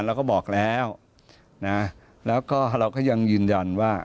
ครับก็บอกแล้วแล้วเราก็ยังยืนยันว่า